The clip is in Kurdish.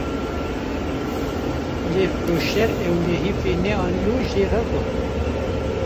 lê firoşer ewlehî pê neanî û jê re got